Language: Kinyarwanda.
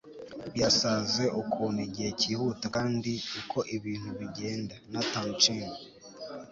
birasaze ukuntu igihe cyihuta kandi uko ibintu bigenda. - nathan chen